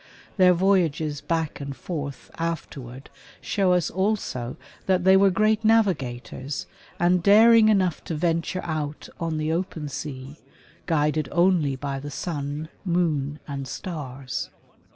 Their voyages back and forth afterward show us also that they were great navigators and daring enough to ven ture out on the open sea, guided only by the sun, moon and stars.